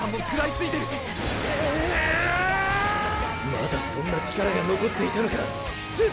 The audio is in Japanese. まだそんな力が残っていたのか純太！